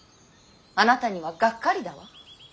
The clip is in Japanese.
あなたにはがっかりだわ。